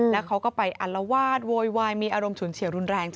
แล้วเขาก็ไปอัลวาดโวยวายมีอารมณ์ฉุนเฉียวรุนแรง